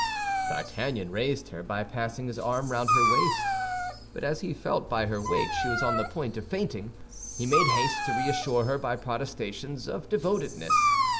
D'Artagnan raised her by passing his arm round her waist; but as he felt by her weight she was on the point of fainting, he made haste to reassure her by protestations of devotedness.